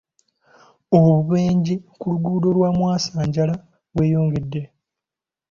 Obubenje ku luguudo lwa mwasanjala bweyongedde.